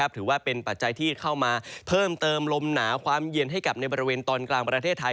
ถือว่าเป็นปัจจัยที่เข้ามาเพิ่มเติมลมหนาความเย็นให้กับในบริเวณตอนกลางประเทศไทย